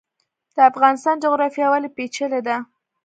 د افغانستان جغرافیا ولې پیچلې ده؟